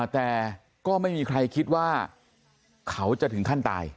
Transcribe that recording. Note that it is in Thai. แต่ก็ไม่มีใครคิดว่าเขาจะถึงขั้นตาย